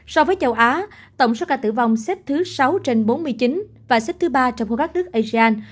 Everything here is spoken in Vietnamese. so với châu á tổng số ca tử vong xếp thứ sáu trên bốn mươi chín và xếp thứ ba trong của các nước asean